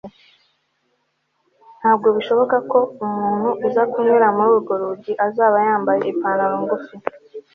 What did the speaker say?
Ntabwo bishoboka ko umuntu uza kunyura muri urwo rugi azaba yambaye ipantaro ngufi